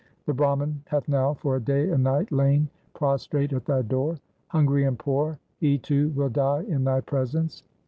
The Brahman hath now for a day and night lain pros trate at thy door. Hungry and poor he too will die in thy presence.'